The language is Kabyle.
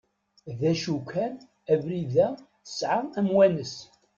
D acu kan abrid-a tesɛa amwanes.